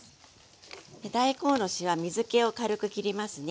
大根おろしは水けを軽くきりますね。